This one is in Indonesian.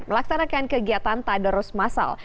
melaksanakan kegiatan tadarus masal